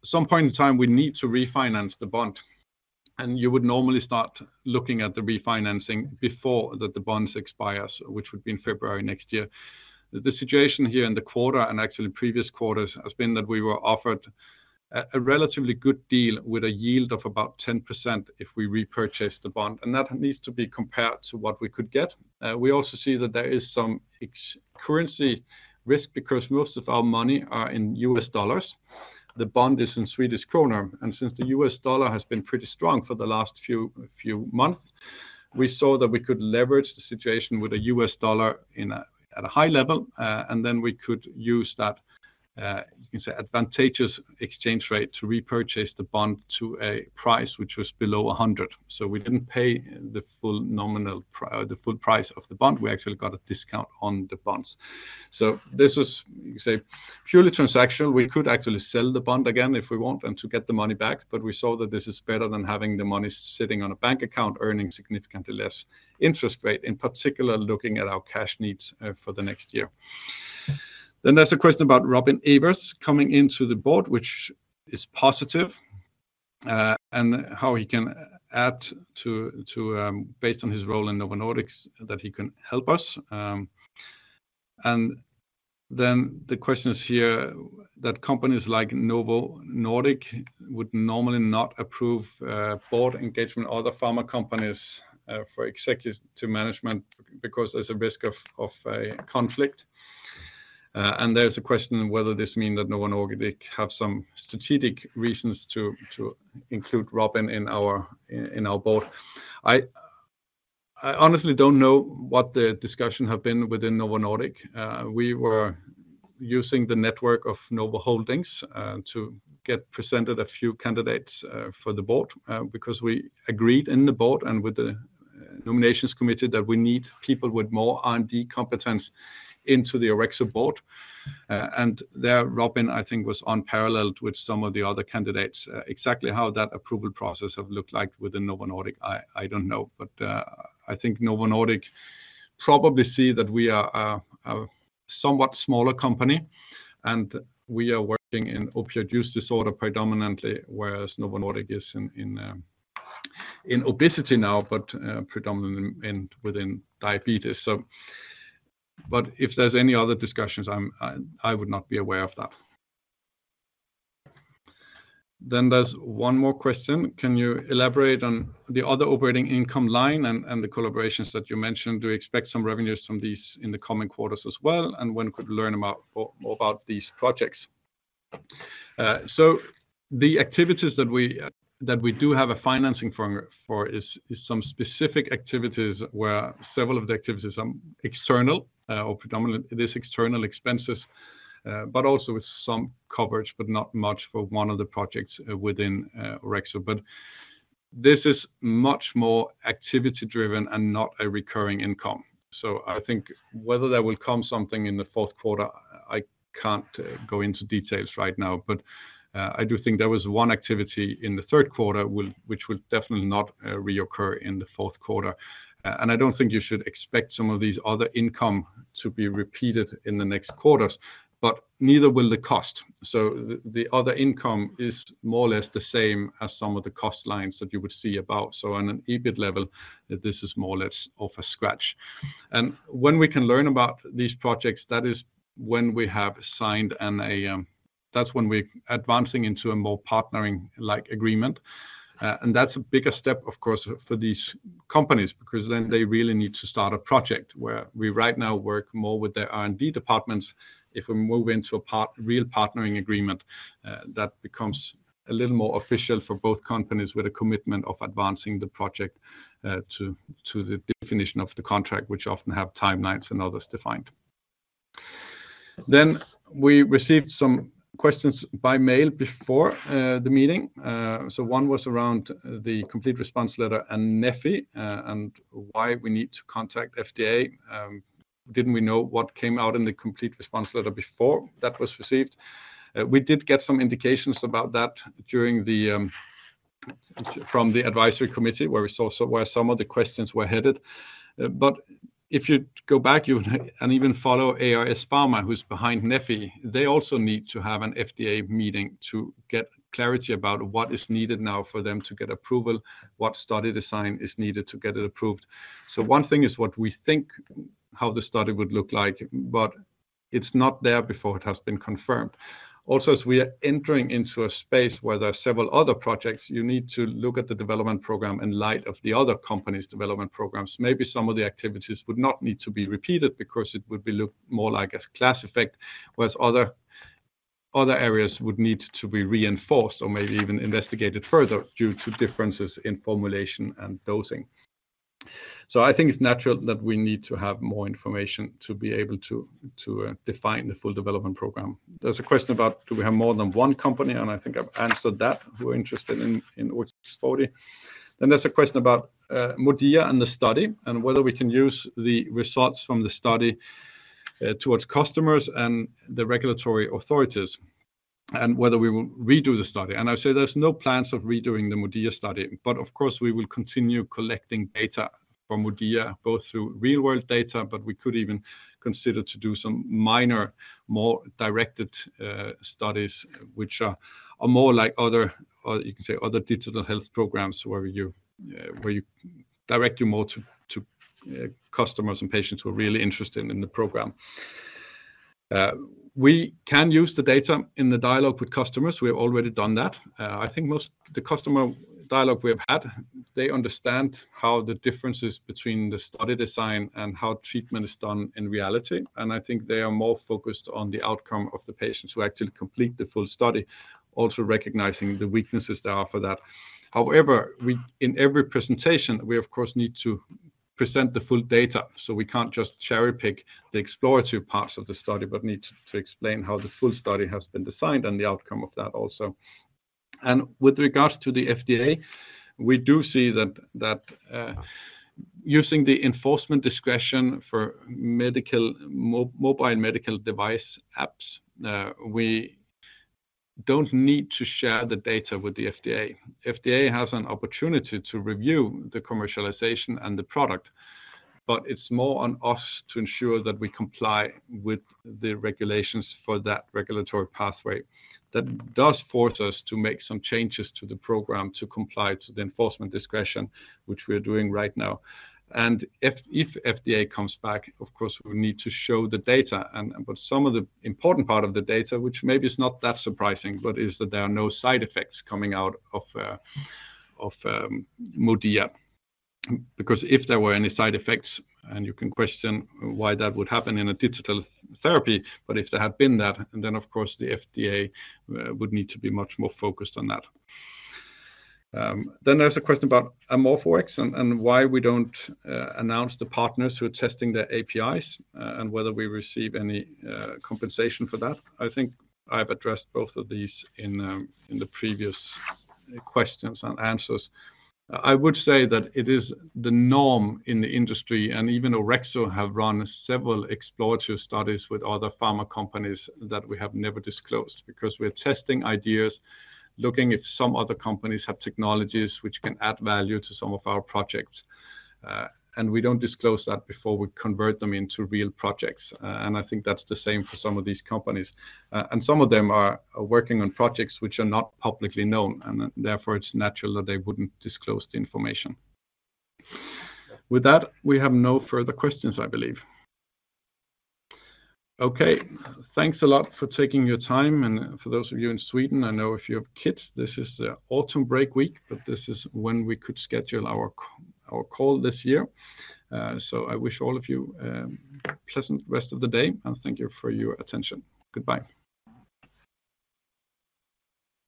some point in time, we need to refinance the bond, and you would normally start looking at the refinancing before the bonds expire, which would be in February next year. The situation here in the quarter, and actually previous quarters, has been that we were offered a relatively good deal with a yield of about 10% if we repurchase the bond, and that needs to be compared to what we could get. We also see that there is some exchange currency risk because most of our money are in U.S. dollars. The bond is in Swedish krona, and since the U.S. dollar has been pretty strong for the last few months, we saw that we could leverage the situation with the U.S. dollar at a high level, and then we could use that, you can say, advantageous exchange rate to repurchase the bond to a price which was below 100. So we didn't pay the full nominal, the full price of the bond. We actually got a discount on the bonds. So this was, you can say, purely transactional. We could actually sell the bond again if we want, and to get the money back, but we saw that this is better than having the money sitting on a bank account earning significantly less interest rate, in particular, looking at our cash needs for the next year. Then there's a question about Robin Evers coming into the board, which is positive, and how he can add to based on his role in Novo Nordisk, that he can help us. And then the question is here, that companies like Novo Nordisk would normally not approve board engagement, other pharma companies, for executive to management because there's a risk of a conflict. And there's a question whether this mean that Novo Nordisk have some strategic reasons to include Robin in our board. I honestly don't know what the discussion have been within Novo Nordisk. We were using the network of Novo Holdings to get presented a few candidates for the board because we agreed in the board and with the nominations committee that we need people with more R&D competence into the Orexo board. And there, Robin, I think, was unparalleled with some of the other candidates. Exactly how that approval process have looked like within Novo Nordisk, I don't know. But, I think Novo Nordisk probably see that we are a somewhat smaller company, and we are working in opiate use disorder predominantly, whereas Novo Nordisk is in, in, in obesity now, but predominantly in, within diabetes. So, but if there's any other discussions, I'm, I would not be aware of that. Then there's one more question: Can you elaborate on the other operating income line and the collaborations that you mentioned? Do you expect some revenues from these in the coming quarters as well, and when could we learn about more about these projects? So the activities that we do have a financing for is some specific activities where several of the activities are external or predominant. It is external expenses, but also with some coverage, but not much for one of the projects within Orexo. But this is much more activity driven and not a recurring income. So I think whether there will come something in the fourth quarter, I can't go into details right now, but, I do think there was one activity in the third quarter, which will definitely not reoccur in the fourth quarter. And I don't think you should expect some of these other income to be repeated in the next quarters, but neither will the cost. So the, the other income is more or less the same as some of the cost lines that you would see about. So on an EBIT level, this is more or less of a scratch. And when we can learn about these projects, that is when we have signed an NDA, that's when we're advancing into a more partnering-like agreement. And that's a bigger step, of course, for these companies, because then they really need to start a project, where we right now work more with their R&D departments. If we move into a partnership agreement, that becomes a little more official for both companies with a commitment of advancing the project, to the definition of the contract, which often have timelines and others defined. Then we received some questions by mail before the meeting. So one was around the complete response letter and neffy, and why we need to contact FDA. Didn't we know what came out in the complete response letter before that was received? We did get some indications about that during the from the advisory committee, where we saw some, where some of the questions were headed. But if you go back and even follow ARS Pharma, who's behind neffy, they also need to have an FDA meeting to get clarity about what is needed now for them to get approval, what study design is needed to get it approved. So one thing is what we think, how the study would look like, but it's not there before it has been confirmed. Also, as we are entering into a space where there are several other projects, you need to look at the development program in light of the other company's development programs. Maybe some of the activities would not need to be repeated because it would be look more like a class effect, whereas other, other areas would need to be reinforced or maybe even investigated further due to differences in formulation and dosing. So I think it's natural that we need to have more information to be able to, to, define the full development program. There's a question about, do we have more than one company? And I think I've answered that, who are interested in, in OX640. Then there's a question about, MODIA and the study, and whether we can use the results from the study, towards customers and the regulatory authorities, and whether we will redo the study. I say there's no plans of redoing the MODIA study, but of course, we will continue collecting data from MODIA, both through real-world data, but we could even consider to do some minor, more directed studies, which are more like other, you can say, other digital health programs, where you direct your MODIA to customers and patients who are really interested in the program. We can use the data in the dialogue with customers. We have already done that. I think most the customer dialogue we have had, they understand how the differences between the study design and how treatment is done in reality, and I think they are more focused on the outcome of the patients who actually complete the full study, also recognizing the weaknesses there are for that. However, in every presentation, we, of course, need to present the full data, so we can't just cherry-pick the exploratory parts of the study, but need to explain how the full study has been designed and the outcome of that also. And with regards to the FDA, we do see that, that, using the enforcement discretion for medical, mobile and medical device apps, we don't need to share the data with the FDA. FDA has an opportunity to review the commercialization and the product, but it's more on us to ensure that we comply with the regulations for that regulatory pathway. That does force us to make some changes to the program to comply to the enforcement discretion, which we are doing right now. And if FDA comes back, of course, we need to show the data and, but some of the important part of the data, which maybe is not that surprising, but is that there are no side effects coming out of MODIA. Because if there were any side effects, and you can question why that would happen in a digital therapy, but if there had been that, then of course, the FDA would need to be much more focused on that. Then there's a question about AmorphOX and why we don't announce the partners who are testing their APIs and whether we receive any compensation for that. I think I've addressed both of these in the previous questions and answers. I would say that it is the norm in the industry, and even Orexo have run several exploratory studies with other pharma companies that we have never disclosed, because we're testing ideas, looking if some other companies have technologies which can add value to some of our projects, and we don't disclose that before we convert them into real projects. And I think that's the same for some of these companies. And some of them are working on projects which are not publicly known, and therefore, it's natural that they wouldn't disclose the information. With that, we have no further questions, I believe. Okay, thanks a lot for taking your time, and for those of you in Sweden, I know if you have kids, this is the autumn break week, but this is when we could schedule our call this year. So, I wish all of you a pleasant rest of the day, and thank you for your attention. Goodbye.